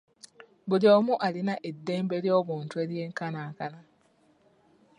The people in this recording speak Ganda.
Buli omu alina ddembe ly'obuntu eryenkanankana.